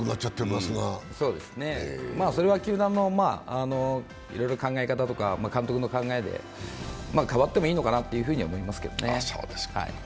まあ、それは球団の考え方とか監督の考えで変わってもいいのかなとは思いますけどね。